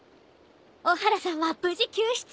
オハラさんは無事救出。